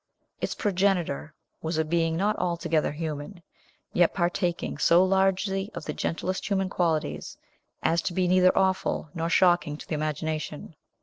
Its progenitor was a being not altogether human, yet partaking so largely of the gentlest human qualities, as to be neither awful nor shocking to the imagination.